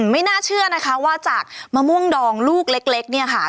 ไม่น่าเชื่อนะคะว่าจากมะม่วงดองลูกเล็กเนี่ยค่ะ